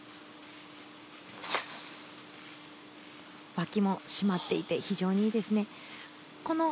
わきも締まっていて非常にいいですね。